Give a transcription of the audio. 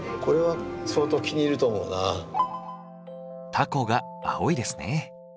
タコが青いですね。